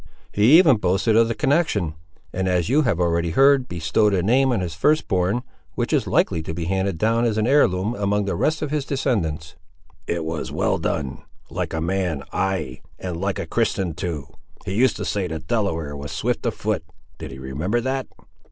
"He even boasted of the connection; and as you have already heard, bestowed a name on his first born, which is likely to be handed down as an heir loom among the rest of his descendants." "It was well done! like a man: ay! and like a Christian, too! He used to say the Delaware was swift of foot—did he remember that?"